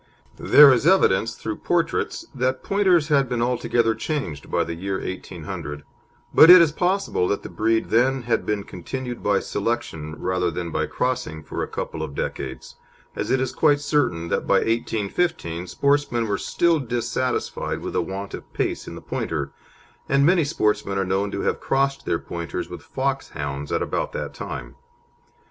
There is evidence, through portraits, that Pointers had been altogether changed by the year 1800, but it is possible that the breed then had been continued by selection rather than by crossing for a couple of decades, as it is quite certain that by 1815 sportsmen were still dissatisfied with the want of pace in the Pointer, and many sportsmen are known to have crossed their Pointers with Foxhounds at about that time.